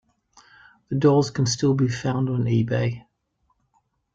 The dolls can still be found on eBay.